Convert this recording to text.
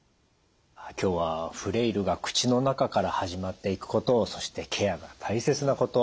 今日はフレイルが口の中から始まっていくことをそしてケアが大切なこと